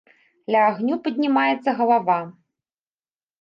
Ля агню паднімаецца галава.